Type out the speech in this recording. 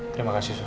terima kasih sus